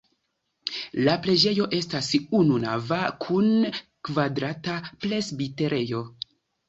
La preĝejo estas ununava kun kvadrata presbiterejo.